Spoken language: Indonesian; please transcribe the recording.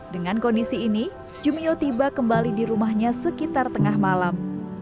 dengan kondisi ini jumio tiba kembali di rumahnya sekitar tengah malam